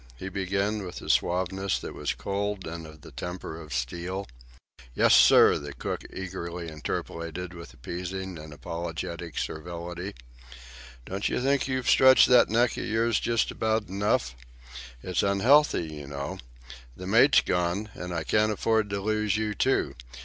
he began, with a suaveness that was cold and of the temper of steel. "Yes, sir," the cook eagerly interpolated, with appeasing and apologetic servility. "Don't you think you've stretched that neck of yours just about enough? It's unhealthy, you know. The mate's gone, so I can't afford to lose you too.